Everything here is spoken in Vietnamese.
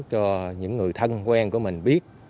cho những người thân quen của mình biết